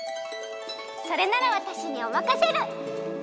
それならわたしにおまかシェル！